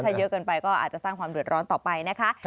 ถ้าเยอะเกินไปก็อาจจะสร้างความเดือดร้อนต่อไปนะคะ